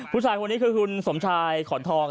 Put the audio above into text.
ผู้ชายคนนี้คือคุณสมชายขอนทอง